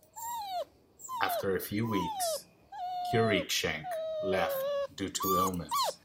After a few weeks, Cruikshank left due to illness.